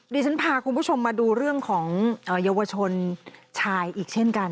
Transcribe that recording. ดิฉันพาคุณผู้ชมมาดูเรื่องของเยาวชนชายอีกเช่นกัน